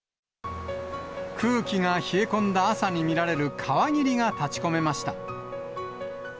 空気が冷え込んだ朝に見られる川霧が立ちこめました。